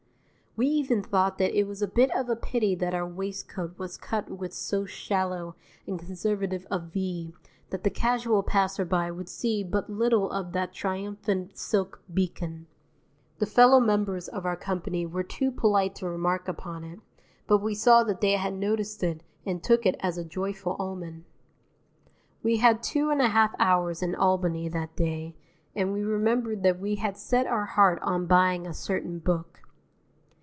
We even thought that it was a bit of a pity that our waistcoat was cut with so shallow and conservative a V that the casual passerby would see but little of that triumphant silk beacon. The fellow members of our company were too polite to remark upon it, but we saw that they had noticed it and took it as a joyful omen. We had two and a half hours in Albany that day and we remember that we had set our heart on buying a certain book.